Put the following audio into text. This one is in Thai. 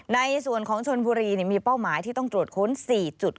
ในส่วนของชนบุรีมีเป้าหมายที่ต้องตรวจค้น๔จุด